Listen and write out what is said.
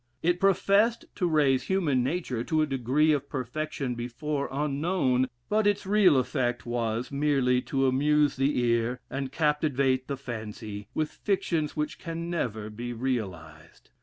It professed to raise human nature to a degree of perfection before unknown; but its real effect was, merely to amuse the ear, and captivate the fancy, with fictions which can never be realized....